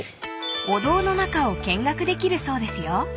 ［お堂の中を見学できるそうですよ］